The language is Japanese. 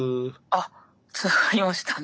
あっつながりましたね。